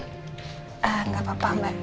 gak apa apa mbak